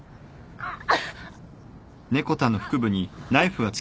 あっ！